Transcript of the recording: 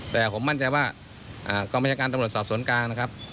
แต่ผมมั่นใจว่ากองบัญชาการตำรวจสอบสวนกลางนะครับ